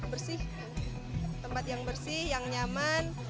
bersih tempat yang bersih yang nyaman